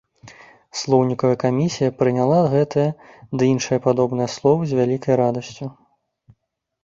Слоўнікавая камісія прыняла гэтае ды іншыя падобныя словы з вялікай радасцю.